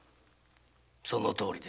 そのとおりで。